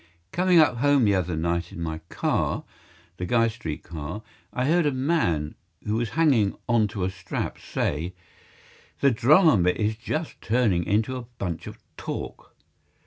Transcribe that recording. COMING up home the other night in my car (the Guy Street car), I heard a man who was hanging onto a strap say: "The drama is just turning into a bunch of talk."